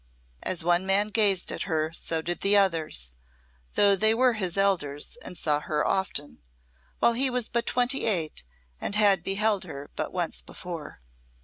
As one man gazed at her so did the others, though they were his elders and saw her often, while he was but twenty eight and had beheld her but once before.